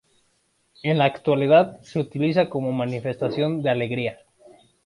En la actualidad se utiliza como manifestación de alegría.